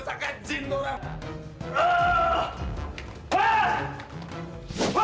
jangan beruntuk dalam hal yang gila